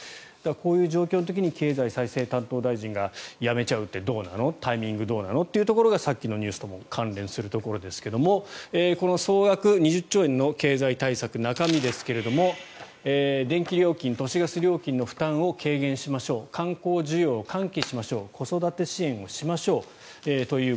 こういう状況の時に経済再生担当大臣が辞めちゃうってどうなのタイミングどうなのってところがさっきのニュースとも関連するところですが総額２０兆円の経済対策の中身ですが電気料金、都市ガス料金の負担を軽減しましょう観光需要を喚起しましょう子育て支援をしましょうと。